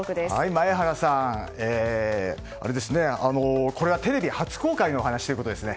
前原さん、テレビ初公開のお話ということですね。